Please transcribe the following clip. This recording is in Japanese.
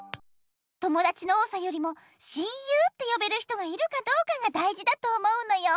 ともだちの多さよりも親友ってよべる人がいるかどうかがだいじだと思うのよ。